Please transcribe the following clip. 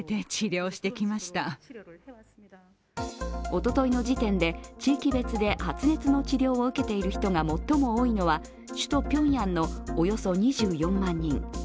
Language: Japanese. おとといの時点で地域別で発熱の治療を受けている人が最も多いのは首都ピョンヤンのおよそ２４万人。